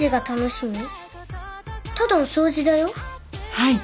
はい！